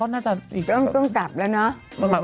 เพราะว่าเดี๋ยวพระธรรมก็น่าจะอีกแบบมันต้องกลับแล้วนะ